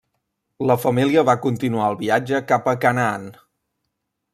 La família va continuar el viatge cap a Canaan.